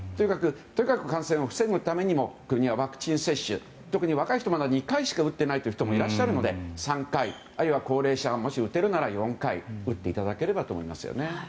とにかく感染を防ぐためにも国はワクチン接種特に若い人はまだ２回しか打ってない人もいらっしゃるので３回、あるいは高齢者はもし打てるなら４回打っていただければと思いますね。